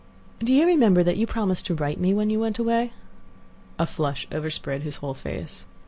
"Do you remember that you promised to write to me when you went away?" A flush overspread his whole face.